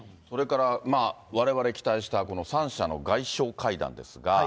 それからわれわれ期待した３者の外相会談ですが。